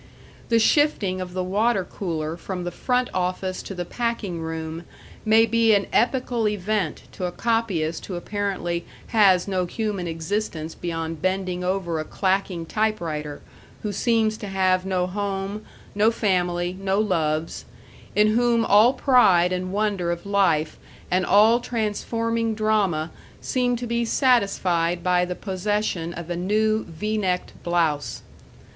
The shifting of the water cooler from the front office to the packing room may be an epochal event to a copyist who apparently has no human existence beyond bending over a clacking typewriter, who seems to have no home, no family, no loves; in whom all pride and wonder of life and all transforming drama seem to be satisfied by the possession of a new V necked blouse.